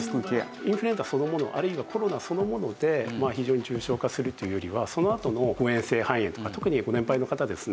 インフルエンザそのものあるいはコロナそのもので非常に重症化するというよりはそのあとの誤嚥性肺炎とか特にご年配の方ですね。